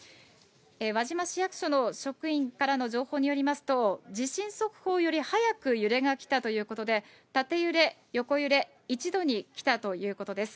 輪島市役所の職員からの情報によりますと、地震速報より早く揺れが来たということで、縦揺れ、横揺れ、一度に来たということです。